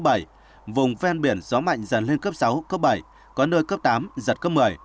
vùng ven biển gió mạnh dần lên cấp sáu cấp bảy có nơi cấp tám giật cấp một mươi